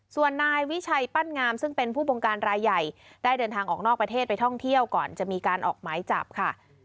ส่วนนายวิชัยปั้นงามซึ่งเป็นผู้บงการรายใหญ่ได้เดินทางออกนอกประเทศไปท่องเที่ยวก่อนจะมีการออกหมายจับค่ะ